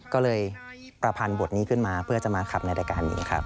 ก็เลยประพันบทนี้ขึ้นมาเพื่อจะมาขับในรายการนี้ครับ